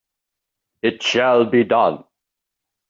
It shall be done!